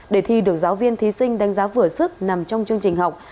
để thi được giáo viên thí sinh đánh giá vừa sức nằm trong chương trình học